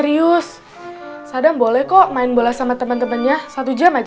serius sadam boleh kok main bola sama temen temennya satu jam aja